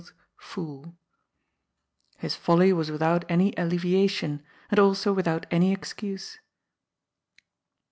206 GOD'S FOOL. His folly was without any alleyiation, and also without any excuse.